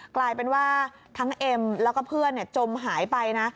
กลายเป็นว่าทั้งเอ็มแล้วก็เพื่อนจมหายไปนะ